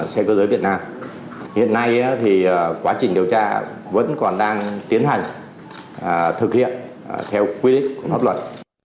xe cơ giới việt nam hiện nay thì quá trình điều tra vẫn còn đang tiến hành thực hiện theo quy định pháp luật